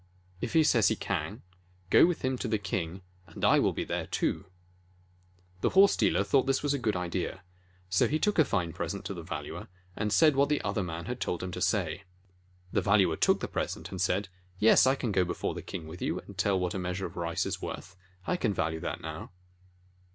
If he says he can, go with him to the king, and I will be there, too." The horse dealer thought this was a good idea. So he took a fine present to the Valuer, and said what the other man had told him to say. The Valuer took the present, and said: "Yes, I can go before the king with you and tell what a meas ure of rice is worth. I can value that now."